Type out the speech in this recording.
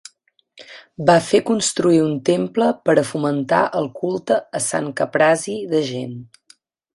Va fer construir un temple per a fomentar el culte a Sant Caprasi d'Agen.